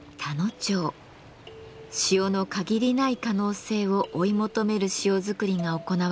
塩の限りない可能性を追い求める塩作りが行われています。